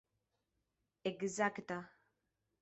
ekzakta